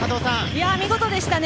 見事でしたね。